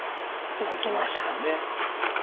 いきました。